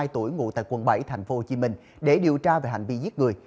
ba mươi hai tuổi ngủ tại quận bảy tp hcm để điều tra về hành vi giết người